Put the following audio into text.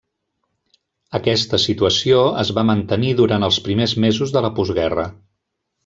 Aquesta situació es va mantenir durant els primers mesos de la postguerra.